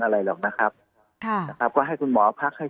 อะไรหรอกนะครับก็ให้คุณหมอพักให้